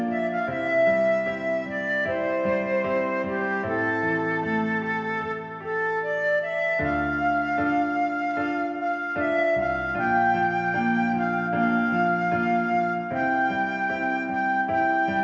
ก็จะไม่คิดว่าที่เรียกได้